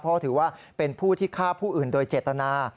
เพราะถือว่าเป็นผู้ที่ฆ่าผู้อื่นโดยเจตนา